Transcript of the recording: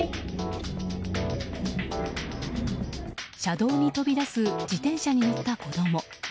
車道に飛び出す自転車に乗った子供。